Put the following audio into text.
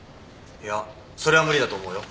いやそれは無理だと思うよ。